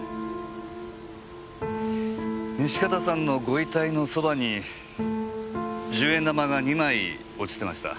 西片さんのご遺体のそばに１０円玉が２枚落ちてました。